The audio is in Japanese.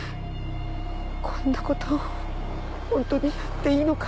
こんなこと本当にやっていいのかって。